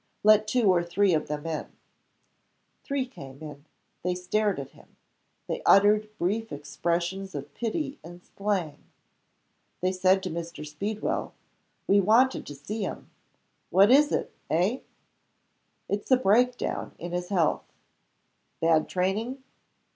"Let two or three of them in." Three came in. They stared at him. They uttered brief expressions of pity in slang. They said to Mr. Speedwell, "We wanted to see him. What is it eh?" "It's a break down in his health." "Bad training?"